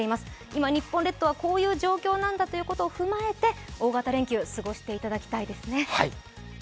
今、日本列島はこういう状況なんだということを踏まえて大型連休、過ごしていただきたいですね。